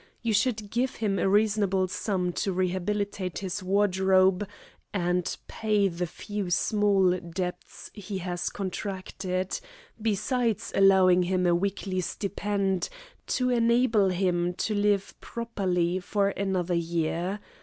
You should give him a reasonable sum to rehabilitate his wardrobe and pay the few small debts he has contracted, besides allowing him a weekly stipend to enable him to live properly for another year.